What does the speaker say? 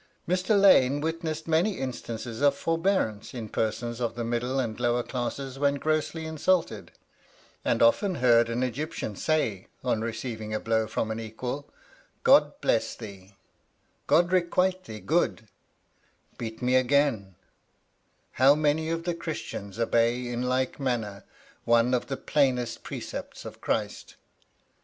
Mr. Lane witnessed many instances of forbearance in persons of the middle and lower classes when grossly insulted; and often heard an Egyptian say on receiving a blow from an equal, "God bless thee," "God requite thee good," "Beat me again": how many of the Christians obey in like manner one of the plainest precepts of Christ?